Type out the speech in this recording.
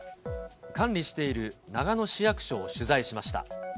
管理している長野市役所を取材しました。